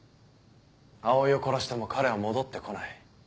葵を殺しても彼は戻って来ない。